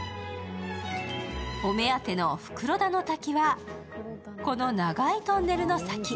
お目当ての袋田の滝はこの長いトンネルの先。